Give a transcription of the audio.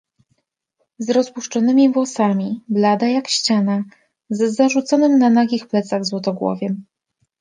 "Z rozpuszczonymi włosami, blada jak ściana, z zarzuconym na nagich plecach złotogłowiem."